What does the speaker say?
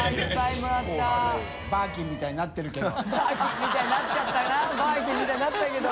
福バーキンみたいになったけど。